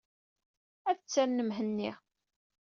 Ad ttren Mhenni.